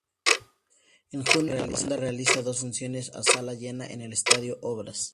En junio, la banda realiza dos funciones a sala llena en el estadio Obras.